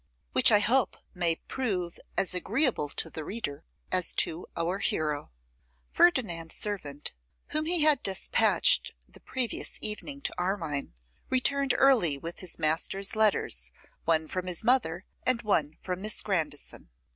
Which I Hope May Prove as Agreeable to the Reader as to Our Hero. FERDINAND'S servant, whom he had despatched the previous evening to Armine, returned early with his master's letters; one from his 'mother, and one from Miss Grandison.